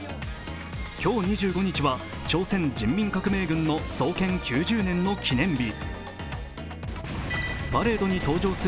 今日２５日は朝鮮人民革命軍の創建９０年の記念日。